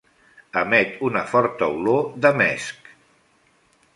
Emet una forta olor de mesc.